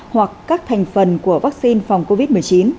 hoặc các thành phần của vaccine phòng covid một mươi chín